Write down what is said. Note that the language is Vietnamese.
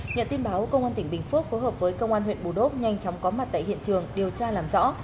nhận tin báo công an tỉnh bình phước phối hợp với công an huyện bù đốc nhanh chóng có mặt tại hiện trường điều tra làm rõ